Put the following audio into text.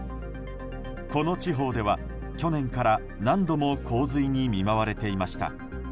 この地方では、去年から何度も洪水に見舞われていました。